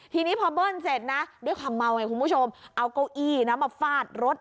ทีนี้พอเบิ้ลเสร็จนะด้วยความเมาไงคุณผู้ชมเอาเก้าอี้นะมาฟาดรถ